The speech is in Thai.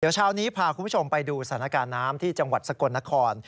เช้านี้พาคุณผู้ชมไปดูสถานการณ์น้ำที่จังหวัดสกลนคร